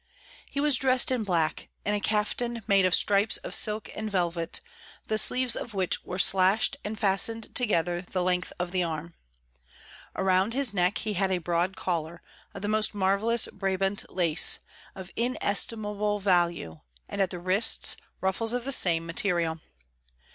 He was dressed in black, in a kaftan made of stripes of silk and velvet, the sleeves of which were slashed and fastened together the length of the arm. Around his neck he had a broad collar, of the most marvellous Brabant lace, of inestimable value, and at the wrists ruffles of the same material.